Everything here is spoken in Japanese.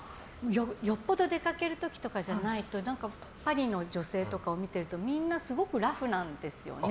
よっぽど出かける時とかじゃないとパリの女性とかを見てるとみんなすごくラフなんですよね。